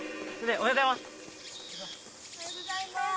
おはようございまーす。